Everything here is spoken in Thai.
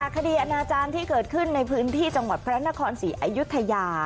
คดีอนาจารย์ที่เกิดขึ้นในพื้นที่จังหวัดพระนครศรีอายุทยา